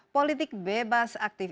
politik bebas aktif